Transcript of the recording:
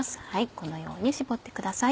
このように絞ってください。